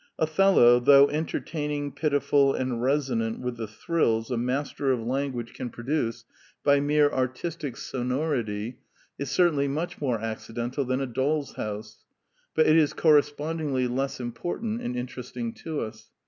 Othello, though entertaining, pitiful, and reso nant with the thrills a master of language can 2 24 The Quintessence of Ibsenism produce by mere artistic sonority, is certainly much more accidental than A Doll's House; but it is correspondingly less important and interest ing to us.